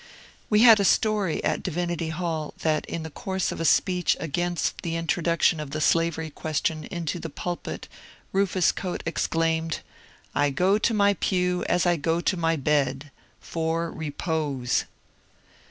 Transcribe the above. We had a story at Divinity Hall that in the course of a speech against the introduction of the slavery question into the pulpit Rufus Choate exclaimed, ^^ I go to my pew as I go to my bed — for repose